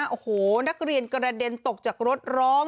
โอ้โหนักเรียนกระเด็นตกจากรถร้อง